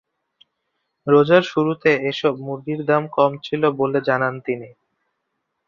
রোজার শুরুতে এসব মুরগির দাম কম ছিল বলে জানান তিনি।